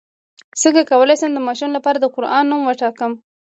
څنګه کولی شم د ماشوم لپاره د قران نوم وټاکم